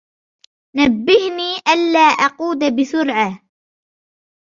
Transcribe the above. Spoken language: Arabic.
نبهني ألا أقود بسرعة.